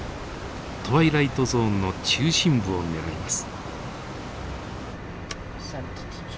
トワイライトゾーンの中心部を狙います。